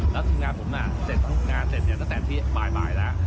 แล้วทีมงานผมน่ะงานเสร็จตั้งแต่ที่บ่ายแล้ว